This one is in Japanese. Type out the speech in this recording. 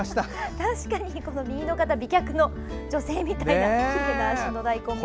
確かに右の方美脚の女性みたいなきれいな足の大根で。